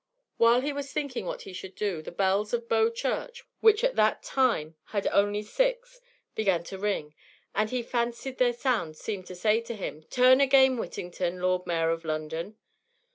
While he was thinking what he should do, the bells of Bow Church, which at that time had only six, began to ring, and he fancied their sound seemed to say to him: "Turn again, Whittington, Lord Mayor of London."